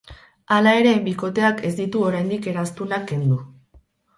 Hala ere, bikoteak ez ditu oraindik eraztunak kendu.